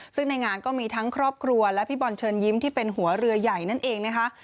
ซึ่งในงานก็มีทั้งครอบครัวและพี่บอลเชิญยิ้มที่เป็นหัวเรือใหญ่นั่นเองนะคะ